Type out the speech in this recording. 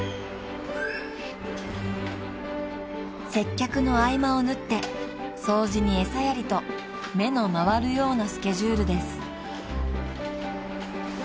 ［接客の合間を縫って掃除に餌やりと目の回るようなスケジュールです］